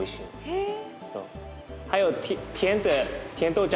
へえ。